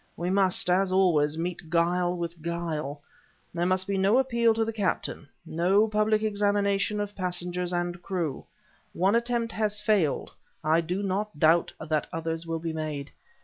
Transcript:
We must, as always, meet guile with guile. There must be no appeal to the captain, no public examination of passengers and crew. One attempt has failed; I do not doubt that others will be made.